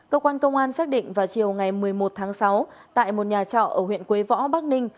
cơ quan công an xác định vào chiều ngày một mươi một tháng sáu tại một nhà trọ ở huyện quế võ bắc ninh